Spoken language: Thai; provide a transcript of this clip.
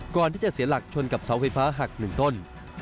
ก่อนที่จะเสียหลักชนกับเสาไฟฟ้าหักหนึ่งต้น